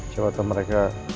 coba tuh mereka